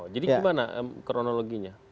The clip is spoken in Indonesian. jadi gimana kronologinya